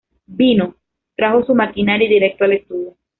Vino, trajo su maquinaria y directo al estudio.